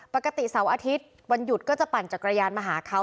ปกติเสาร์อาทิตย์วันหยุดก็จะปั่นจักรยานมาหาเขา